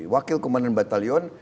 wakil kemanan batalion